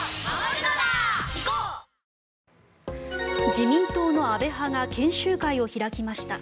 自民党の安倍派が研究会を開きました。